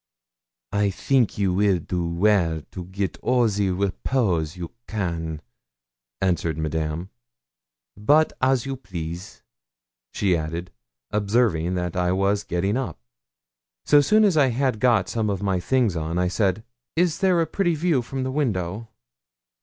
'I think you will do well to get all the repose you can,' answered Madame; 'but as you please,' she added, observing that I was getting up. So soon as I had got some of my things on, I said 'Is there a pretty view from the window?'